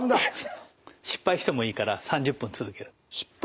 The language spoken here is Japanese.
失敗してもいいから３０分続ける。